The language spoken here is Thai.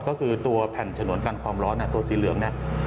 ก็คือตัวแผ่นฉนวนการคอมร้อนตัวสีเหลือง